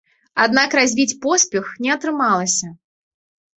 Аднак развіць поспех не атрымалася.